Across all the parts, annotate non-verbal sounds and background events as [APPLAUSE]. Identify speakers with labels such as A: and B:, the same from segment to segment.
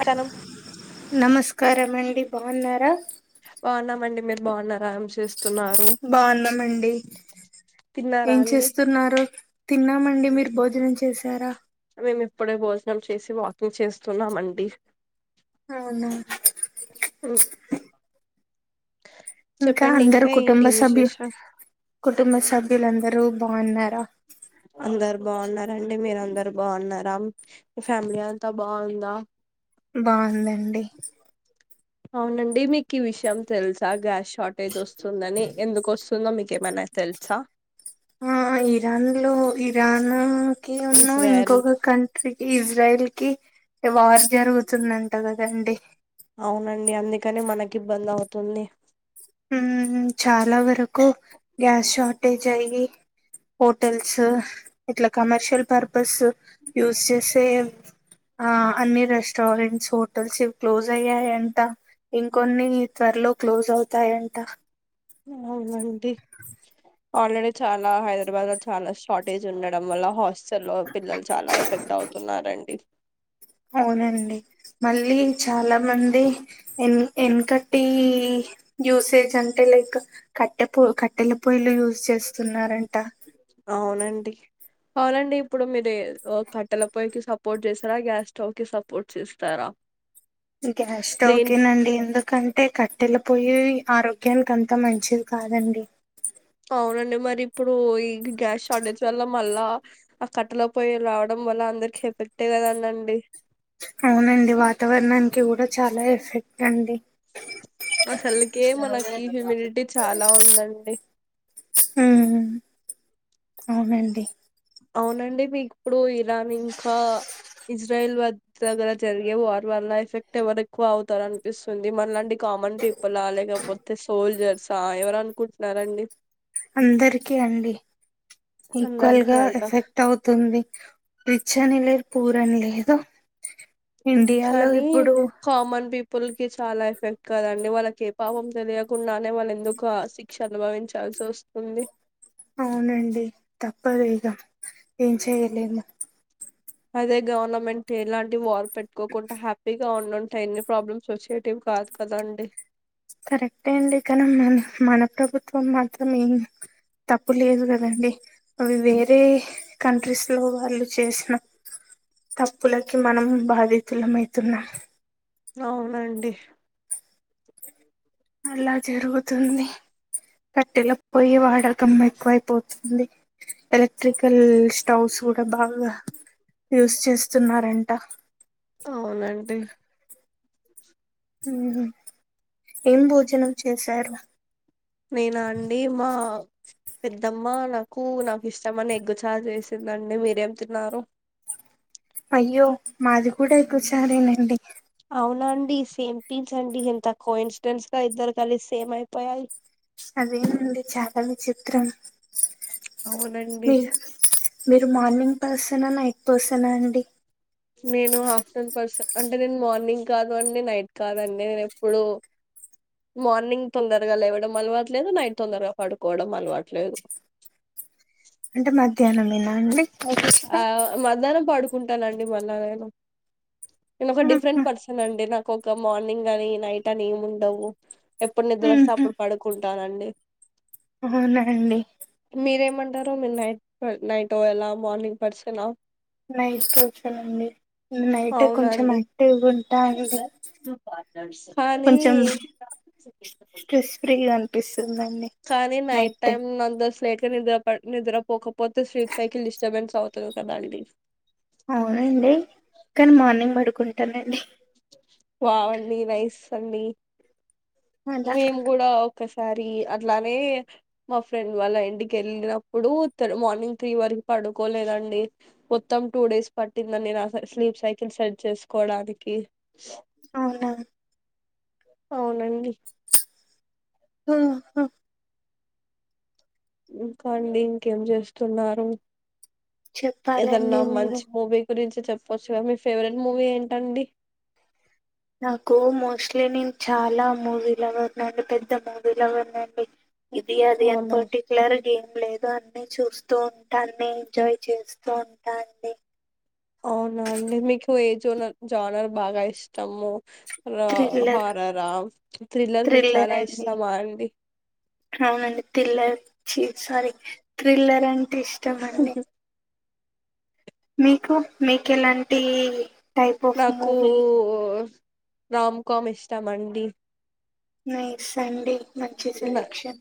A: అతనం [UNINTELLIGIBLE]
B: కారంమండి బాగున్నారా
A: బాగున్నామండి మీరు బాగున్నరామ్ చేస్తున్నారు
B: బాగున్నామండి
A: తిన్నారా
B: ఏం
A: అండి
B: చేస్తున్నారు తిన్నామండి మీరు భోజనం చేసారా
A: మేము ఇప్పుడే భోజనం చేసి వాకింగ్ చేస్తున్నామండి
B: అవునా ఇంకా
A: చెప్పండి
B: అందరు కుటుంబ
A: ఏంటి
B: సభ్యులు
A: విశేషం
B: కుటుంబ స్య సభ్యులుందరూ బాగున్నారా
A: అందరు బాగున్నారండి మీరు అందరు బాగున్నారా ఫ్యామిలీ అంతా బాగుందా
B: బాగుందండి
A: అవునండి మీకు ఈ విషయం తెలుసా గ్యాస్ షార్టేజ్ వస్తుందని ఎందుకు వస్తు సున్నమికి ఏమన్నాయితే తెల్సా
B: ఆ ఇరాన్లో ఇరాన్ కి ఉన్ను
A: ఇస్రాయల్
B: ఇంకొక కంట్రీకి ఇజ్రాైల్ కి టె వార్ జరుగుతుందంట కదండి.
A: అవునండి అందుకనే మనకి ఇబ్బంది అవుతుంది.
B: ఉమ్ చాలా వరకు గ్యాస్ షార్టేజ్ అయ్యి హోటల్స్ ఇట్లా కమర్షియల్ పర్పస్ యూస్ చేసే. ఆ అన్ని రెస్టారెంట్స్, హోటల్స్ ఇవి క్లోజ్ అయ్యాయంటా. ఇంకొన్ని త్వరలో క్లోజ్ అవుతాయంట.
A: అవునండి ఆల్రెడీ చాలా హైదరాబాద్ లో చాలా షార్టేజ్ ఉండడం వల్ల. హాస్ టలో పిల్లలు చాలా ఎఫెక్ట్ అవుతున్నారండి.
B: అవునండి. మళ్ళీ చాలా మంది ఎన్ ఎన్కటి. యూసేజ్ అంటే లైక్. కట్టె పో కట్టెల పొయ్యిలు యూజ చేస్తున్నారాండ్.
A: అవునండి అవునండి. ఇప్పుడు మీది కట్టెల పొయ్యకి సపోర్ట్ చేస్తారా? గ్యాస్ స్టవ్ కి సపోర్ట్ చేస్తారా?
B: గ్యాస్
A: దేన్
B: స్టవకేనండి. ఎందుకంటే కట్టెళ్ళ పోయి ఆరోగ్ నీకి అంత మంచిది కాదండి.
A: అవునండి. మరి ఇప్పుడు ఈ గ్యాస్ షార్టేజ్ వల్ల మళ్ళా ఆ కట్టలో పోయో రావడం. మళ్ళ అందరి ఎఫెక్ట్ ఎ కదాండండి.
B: అవునండి. వాతావరణానికి గూడా చాలా ఎఫెక్ట్ అండి.
A: అసల్కే మనకి హ్యూమిడిటీ చాలా ఉందండి.
B: ఉహ్మ్ అవునండి.
A: అవునండి. మీకు ఇప్పుడు ఇరాన్ ఇంకా ఇజ్రాయల్ వద్ద దగ్గర జరిగే వార్ వల్ ల్ల ఎఫెక్ట్ ఎవరు ఎక్కువ అవుతార అనిపిస్తుంది. మనలాంటి కామన్ పీపుల్ లేకపోతే సోల్జర్సా. ఆ ఎవరునుకుంట్న్నారండి.
B: అందరికి అండి ఈక్వల్
A: అందరికీ
B: గా
A: అంట
B: ఎఫెక్ట్ అవుతుంది. రీచ్ అని లేరు, పూరని లేదు. ఇండియాలో ఇప్పుడు
A: పుల్కి చాలా ఎఫెక్ట్ కదండి. వాళ్ళకి ఏ పాపం తెలియకుండానే. వాళ్ళు ఎందుకు శిక్ష అనుభవించాల్సి వస్తుంది.
B: అవునండి తప్పదు ఇగ ఏం చెయ్యలేము.
A: అదే గవర్నమెంట్ ఏలాంటి వార్ పెట్టుకోకుండా. హ్యాపీగా ఉం నింటేయ్. ఇన్ని ప్రాబ్లమ్స్ సోచేయేటివ్ కాదు కదా అండి.
B: కరెక్టే అండి. కనీ మన మన ప్రభుత్వం మాత్రం. ఏం తప్పు లేదు గదండి. అవి వేరే కంట్రీస్ లో వాళ్ళు చేసిన తప్పులకి మనం బాధితులమయితున్నా.
A: నావునండి
B: అలా జరుగుతుంది. కట్టెల పొయ్యి వాడకం ఎక్కువైపోతుంది. ఎలక్ట్రికల్ స్టౌవ్స్ కూడా బాగా. యూస్ చేస్తున్నారంట.
A: అవునండి
B: ఉమ్ హు ఏం భోజనం చేశారు.
A: నేనా అండి మా పెద్దమ్మా నాకు నాకు ఇష్టమని ఎగ్గుచారూ చేసిందండి. మీరేం తిన్నారు?
B: అయ్యో మాది కూడా ఎగ్గుచారేనండి.
A: అవునా అండి సేమ్ పీన్స్ అండి. ఏంత కోఇన్స్టెంట్స్ గా ఇద్దరు కర్రీస్ సేమ్ అయిపోయాయి.
B: అదేనండి చాలా విచిత్రం.
A: అవునండి.
B: మీరు మీరు మార్నింగ్ పర్సనా నైట్ పర్సనా అండి.
A: నేను ఆఫ్టర్నూన్. పర్సన్ అంటే నేను మార్నింగ్ కాదు అండి నైట్ కాదండి నేను ఎప్పుడు. మార్నింగ్ తొందరగా లేవడం అలవాట్లేదు. నైట్ తొందరగా పడుకోవడం అలవాట్లేదు.
B: ధ్యానమేనా అండి. మీకు ఇష్టం
A: ఆహ్ మధ్యాహ్నం పడుకుంటానండి మళ్ళా నేను. నేను ఒక డిఫరెంట్
B: ఉహు
A: పర్సన్ అండి. నాకు ఒక మార్నింగ్ అని నైట్ అని ఏమి ఉండవు. ఎప్పుడు నిద్ర వస్తే అప్పుడు పడుకుంటానండి.
B: ఉహ్ అవునండి.
A: మీరేమంటారు మీరు నైట్ నైట్ వాలా మార్నింగ్ పర్సనా.
B: నైస్ కోషన్ అండి. నైట్ కొంచెం
A: అవునండి
B: యాక్టివ్ గా ఉంటారు అండి
A: కానీ
B: కొంచెం. స్ట్రెస్ ఫ్రీగాన్.
A: కానీ నైట్ టైమ్ అంతస్లేట్. నిద్ర పడ్ నిద్రపోకపోతే స్లీప్ సైకిల్ డిస్టర్బెన్స్ అవుతది కదా అండి.
B: అవునండి కానీ మార్నింగ్ పడుకుంటానండి.
A: వావ్ అండి నైస్ అండి.
B: అలా
A: మేము కూడా. ఒకసారి అట్లానే మా ఫ్రెండ్ వాళ్ళ ఇంటికి వెళ్ళినప్పుడు తల మార్నింగ్ త్రీ వర పడుకోలేదండి మొత్తం టూ డేస్ పట్టిందండి నాక నేను స్లీప్ సైకిల్ సెట్ చేసుకోవడానికి. కి
B: అవునా.
A: అవునండి.
B: ఆహ్ హ్.
A: ఇంకాండి ఇంకేం చేస్తున్నారు. ఏదన్నా
B: చెప్పాలండి మీరు
A: మంచి మూవీ గురించి. చెప్పొచ్చుగా మీ ఫేవరెట్ మూవీ ఏంటండి.
B: నాకు మోస్ట్లీ నేను చాలా మూవీలవర్నండి. పెద్ద మూవీ లవర్నండి. ఇది అది అంత
A: అవునా
B: పర్టిక్యులర్ గా ఏం లేదు. అన్ని చూస్తూ ఉంటా అన్ని ఎంజాయ్ చేస్తూ ఉంటా అండి.
A: అవునా అండి మీకు ఏ జోనల్ జోనర్ బాగా ఇష్టము. ర
B: థ్రిల్లర్
A: హారరా ప్చ్ థ్రిల్లర్ మీకు చాలా ఇష్టమా అండి.
B: అవునండి థీల్లర్ ఛీ సారీ థ్రిల్లర్ అంటే ఇష్టం అండి. మీకు మీకు ఎలాంటి. టైప్ ఆఫ్
A: నాకు
B: మూవీ
A: రామ్కామ్ ఇష్టాం అండి.
B: నైస్ అండి మంచి సెలెక్షన్.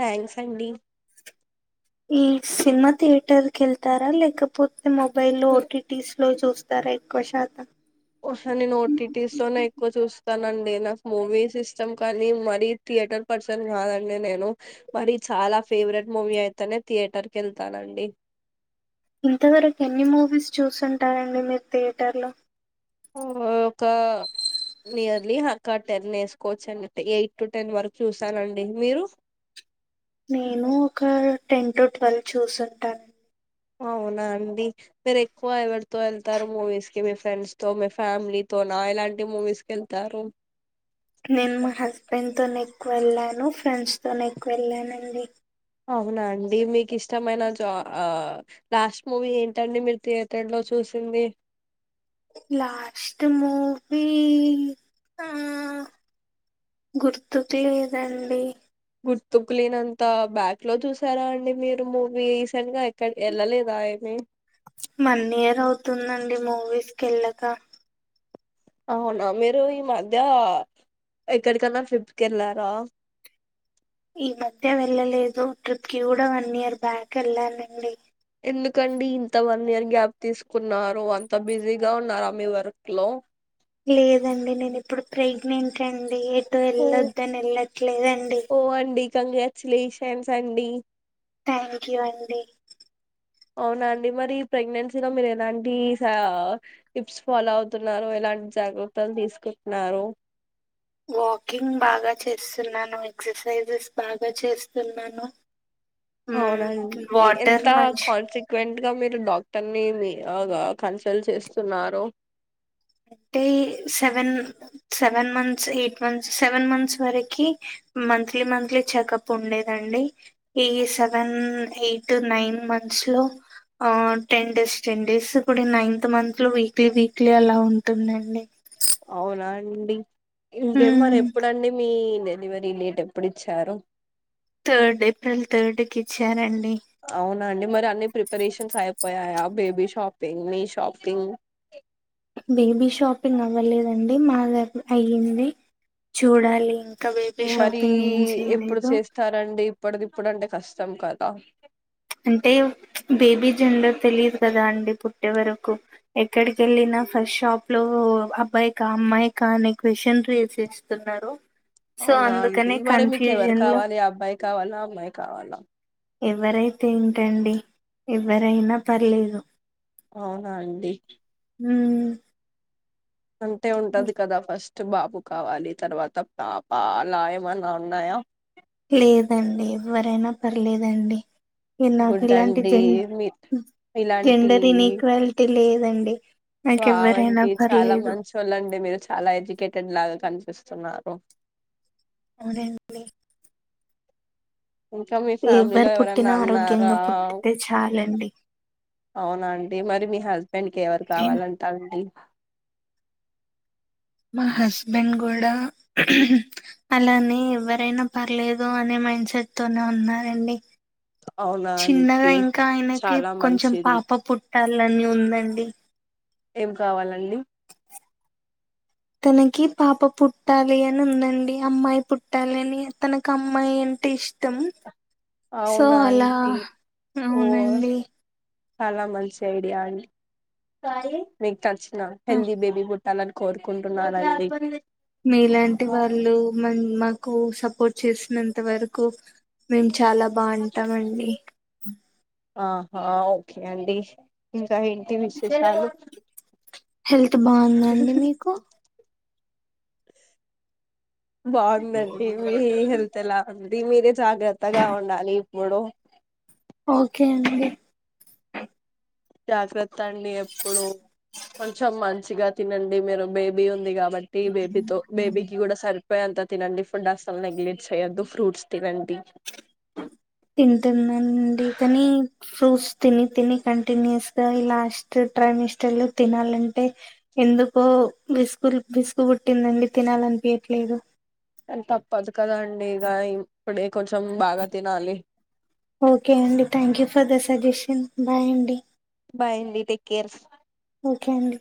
A: థ్యాంక్స్ అండి
B: ఈ సినిమా థియేటర్ కి వెళ్తారా. లేకపోతే మొబైల్ ఓటీటీస్. లో చూస్తారా ఎక్కువ శాతం.
A: హ నేను ఓటీటీస్ లోనే ఎక్కువ చూస్తానండి నాకు మూవీస్ ఇష్టం కానీ మరీ థి. థియేటర్ పర్సన్ కాదండి. నేను మరి చాలా ఫేవరెట్ మూవీ అయితేనే థియేటర్ కి వెళ్తానండి.
B: ఇంతవరకు ఎన్ని మూవీస్ చూసింటారండి మీరు థియేటర్లో.
A: ఆహ్ ఒకా. నియర్లీ ఒక్క టెన్ వేసుకోవచ్చు అండి. ఎయిట్ టు టెన్ వరకు చూసానండి. మీరు
B: నేను ఒక టెన్ టు ట్వెల్వ్ చూసుంటాను.
A: అవునా అండి మీరు ఎక్కువ ఎవరితో వెళ్తారు. మూవీస్ కి మీ ఫ్రెండ్స్ తో మీ ఫ్యామిలీతో. తోనా ఏలాంటి మూవీస్కెళ్తారు.
B: నేను మా హస్బెండ్ తో ఎక్కువ వెళ్ళాను ఫ్రెండ్స్ తోనే ఎక్కువ వెళ్ళానండి
A: అవునా అండి మీకు ఇష్టమైన జ లాస్ట్ మూవీ ఏంటండి మీరు థియేటర్ లో చూ సింది
B: లాస్ట్ మూవీ ఆ గుర్తుకు లేదండి
A: గుర్తుకు లేనంతా బ్యాక్ లో చూసారా అండి మీరు మూవీ రీసెంట్ గా ఎక్కడ వెళ్ళలేదా ఏమి
B: వన్ ఇయర్ అవుతుందండి మూవీస్ కెల్లక
A: అవునా మీరు ఈ మధ్య ఎక్కడికన్నా ట్రిప్కెల్లరా?
B: ఈ మధ్య వెళ్ళలేదు. ట్రిప్ కి కూడా వన్ ఇయర్ బ్యాక్ వెళ్ళానండి.
A: ఎందుకండి ఇంత వన్ ఇయర్ గ్యాప్ తీసుకున్నారు? అంత బిజీగా ఉన్నారా మీ వర్క్ లో.
B: లేదండి నేను ఇప్పుడు ప్రెగ్నెంట్ అండి ఎటు
A: ఓ
B: వెళ్ళొద్దని వెళ్ళట్లేదండి
A: కంగ్రాట్యులేషన్స్ అండి
B: థ్యాంక్ యూ అండి
A: అవునా అండి మరి ప్రెగ్నెన్సీలో మీరు ఎలాంటి టిప్స్ ఫాలో అవుతున్నారు ఎలా ఎంటి జాగ్రత్తలు తీసుకుంటున్నారు
B: వాకింగ్ బాగా చేస్తున్నాను ఎక్సర్సైజెస్ బాగా చేస్తున్నాను మ్మ్
A: అవునండి
B: వాటర్
A: ఎంత
B: మంచి
A: కాల్సక్వెంట్ ఇంకా మీరు డాక్టర్ ని మీ కన్సల్ట్ చేస్తున్నారు
B: అంటే seven seven months eight months seven months వరకి మంత్లీ మంత్లీ చెకప్ ఉండేదండి ఈ సెవెన్ ఎయిట్ నైన్ మంత లో టెన్ డేస్ టెన్ డేస్ ఇప్పుడు నైన్త్ మంత్ లో వీక్లీ వీక్లీ అలా ఉ ఉంటుందండి
A: అవునా అండి ఇంకే మరి
B: మ్మ్
A: ఎప్పుడండి మీ డెలివరీ డేట్ ఎప్పుడు ఇచ్చారు
B: థర్డ్ ఏప్రిల్ థర్డ్కి ఇచ్చరండి
A: అవునండి మరి అన్ని ప్రిపరేషన్స్ అయిపోయా బేబీ షాపింగ్ మీ షాపింగ్
B: బేబీ షాపింగ్ అవ్వలేదండి మాది అయ్యింది చూడాలి ఇంకా బేబీ
A: మరి
B: షాపింగ్ ఏం
A: ఎప్పుడు
B: చేయలేదు
A: చేస్తారండి ఇప్పుడుకి ఇప్పుడుంటే కష్టం కదా
B: అంటే బేబీ జెండర్ తెలియదు కదా అండి పుట్టే వరకు ఎక్కడికి వెళ్ళిన ఫస్ట్ షాప్ లో అబ్బాయికా అమ్మాయికా అనే క్వశ్చన్ రీస్స్తున్నారు
A: అవునా అండి మరి మీకు ఎవరు
B: లో
A: కావాలి అబ్బాయి కావాలా అమ్మాయి కావాలా
B: ఎవరైతే ఏంటండి ఎవరైనా పర్లేదు
A: అవునా అండి
B: హ
A: అంటే ఉంటది కదా ఫస్ట్ బాబు కావాలి తర్వాత పాప అలా ఏమన్నా ఉన్నాయా
B: లేదండి ఎవ్వరైనా పర్లేదండి నాకు
A: గుడ్
B: ఇలాంటి
A: అండి
B: జెన్
A: మీ ఇలాంటి
B: జెండర్ ఇన్క్వాలిటీ లేదండి నాకు
A: వావ్
B: ఎవరైనా
A: అండి చాలా
B: పర్లేదు
A: మంచిళ్ళండి మీరు చాలా ఎడ్యుకేటెడ్ లాగా కనిపిస్తు సన్నారు
B: [INAUDIBLE]
A: ఇంకా మీ ఫ్యామిలీలో
B: ఎవరు
A: ఎవరనా
B: పుట్టినా
A: అన్నారా
B: ఆరోగ్యంగా పుట్టితే చాలండి
A: అవునా అండి మరి మీ హస్బెండ్ క ఎవరు కావాలంటండి
B: మా హస్బెండ్ కూడా అలానే ఎవరైనా పర్లేదు అనే మ [INAUDIBLE] తనే ఉన్నారండి
A: అవునా
B: చిన్నగా
A: అంటీ
B: ఇంకా ఆయనకి
A: చాలా
B: కొంచెం
A: మంచిది
B: పాప పుట్ పుట్టాలని ఉందండి
A: ఏం కావాలండి
B: తనకి పాప పుట్టాలి అని ఉందండి అమ్మాయి పుట్టాలి అని తనకు అమ్మాయి ఎంత ఇష్టం సో
A: అవునా
B: అలా
A: అంటీ ఓ
B: అవునండి
A: చాలా మంచి ఐడియా అ మీకుచ్చిన హెల్దీ బేబీ తనని కోరుకుంటున్నడి
B: మీలాంటి వాళ్ళు మ మాకు సపోర్ట్ చేసినంత వరకు మేము చాలా బాగుంటామండి
A: ఆహా ఓకే అండి కాహంటి విశేషాలు
B: హెల్త్ బాగుందండి మీకు
A: బాగుందండి మీ హెల్తే ఎలా ఉంది ఇది మీదే జాగ్రత్తగా ఉండాలి ఇప్పుడు
B: ఓకే అండి
A: జాగ్రత్త అండి ఎప్పుడు కొంచెం మంచిగా తినండి మీరు బేబీ ఉంది కాబ కాబట్టి బేబీతో బేబీకి కూడా సరి అంతా తినండి ఫుడ్ అసలు నెగ్లెక్ట్ చేయొద్దు ఫ్రూట్స్ తినండి
B: తింటున్నానండి కానీ ఫ్రూట్స్ తిని తిని కంటిన్యూస్ గా లాస్ట్ టై మస్ట లో తినాలంటే ఎందుకో బిస్కు బిస్కు పుట్టిందండి తినాలంటే ఎట్లేదు
A: తప్పదు కదండి ఇక ఇప్పుడే కొంచెం బాగా తినాలి
B: ఓకే అండి thank you for the suggestion bye అండి
A: బాయ్ అండి టేక్ కేర్
B: ఓకే అండి